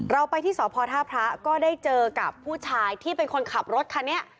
เราไปที่สพท่าพระก็ได้เจอกับผู้ชายที่เป็นคนขับรถคันนี้